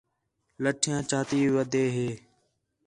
لٹھیاں چاتی ودے ہے